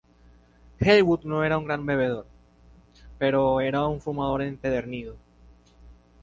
Heywood no era un gran bebedor, pero era un fumador empedernido.